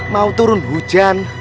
mau turun hujan